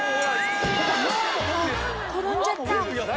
転んじゃった。